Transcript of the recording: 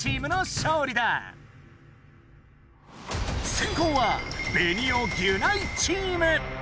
せんこうはベニオ・ギュナイチーム！